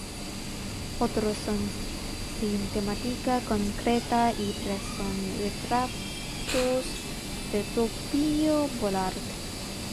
Otros son sin temática concreta y tres son retratos del propio Vollard.